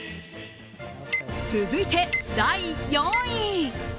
続いて、第４位。